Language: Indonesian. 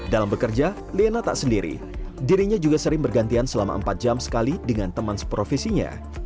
dalam bekerja liena tak sendiri dirinya juga sering bergantian selama empat jam sekali dengan teman seprofesinya